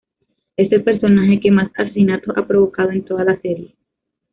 Es el personaje que más asesinatos ha provocado en toda la serie.